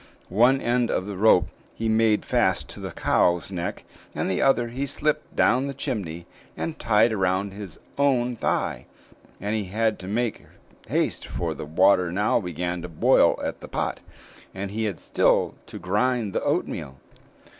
One end of the rope he made fast to the cow's neck, and the other he slipped down the chimney and tied round his own thigh; and he had to make haste, for the water now began to boil in the pot, and he had still to grind the oatmeal.